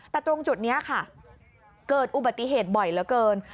แต่ตรงจุดนี้ค่ะเกิดอุบัติเหตุบ่อยเหลือเกิน